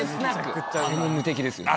あれも無敵ですよね。